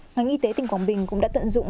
ngành y tế tỉnh quảng bình cũng đã tận dụng